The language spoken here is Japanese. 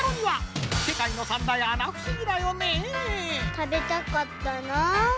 ・たべたかったなぁ。